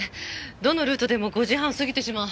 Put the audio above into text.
どのルートでも５時半を過ぎてしまう。